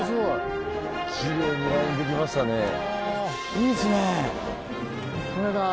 いいですね。